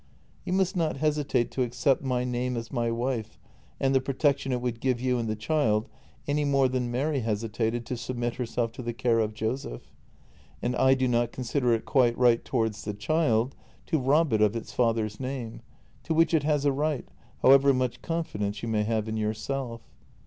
"You must not hesitate to accept my name as my wife and the protection it would give you and the child any more than Mary hesitated to submit herself to the care of Joseph. And I do not consider it quite right towards the child to rob it of its father's name, to which it has a right, however much con fidence you may have in yourself.